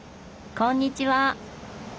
こんにちは。